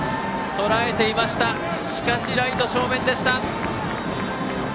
とらえていましたがしかし、ライト正面でした。